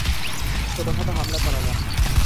ছোটখাটো হামলা চালালাম।